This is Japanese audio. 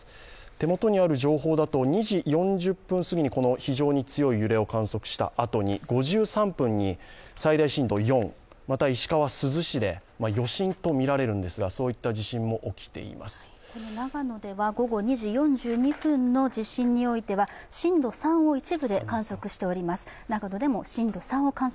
手元にある情報だと２時４０分すぎにこの非常に強い地震を観測したあとに５３分に最大震度４、また石川・珠洲市で余震とみられるんですが長野では午後２時４２分の地震においては震度３を一部で観測しています。